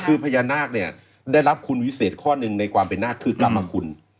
คุณพัญญานาคได้รับคุณวิเศษในความเป็นนาคิกรมคุณ